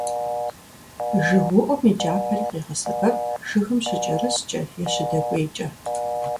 ЖыгыуIум и кIапэри къегъэсэбэп жыгым щыкIэрыскIэ е щыдэкIуейкIэ.